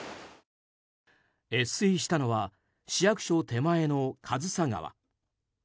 越水したのは市役所手前の数沢川。